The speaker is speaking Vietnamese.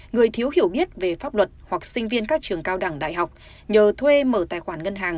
người thiếu hiểu biết về pháp luật hoặc sinh viên các trường cao đẳng đại học nhờ thuê mở tài khoản ngân hàng